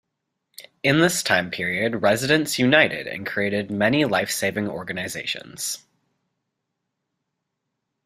In this time period residents united and created many life-saving organizations.